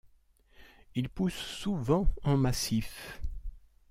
Il pousse souvent en massif.